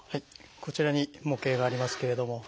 こちらに模型がありますけれども。